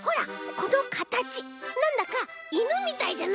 このかたちなんだかいぬみたいじゃない！？